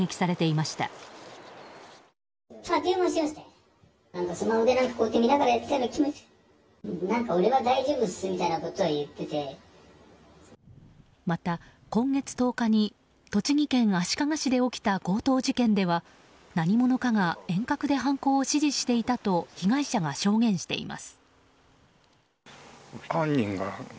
また今月１０日に栃木県足利市で起きた強盗事件では何者かが遠隔で犯行を指示していたと被害者が証言しています。